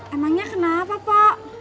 emangnya kenapa mpok